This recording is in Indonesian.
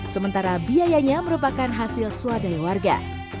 sementara biayanya merupakan hasil swadaya warga